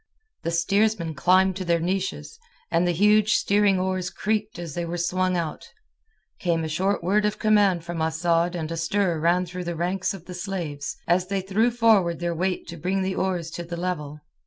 The steersmen climbed to their niches, and the huge steering oars creaked as they were swung out. Came a short word of command from Asad and a stir ran through the ranks of the slaves, as they threw forward their weight to bring the oars to the level.